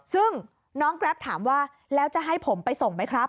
ซึ่งน้องแกรปถามว่าแล้วจะให้ผมไปส่งไหมครับ